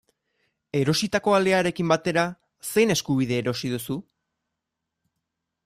Erositako alearekin batera, zein eskubide erosi duzu?